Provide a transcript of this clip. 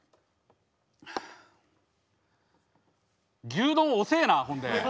牛丼遅えなほんで。